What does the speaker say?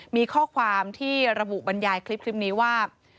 มีข้อความที่ระบุบรรยายคลิปนี้ว่า